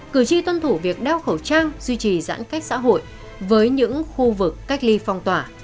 cử tri tuân thủ việc đeo khẩu trang duy trì giãn cách xã hội với những khu vực cách ly phong tỏa